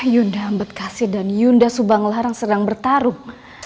yunda ambenkasi dan yunda subanglarang sedang bertarung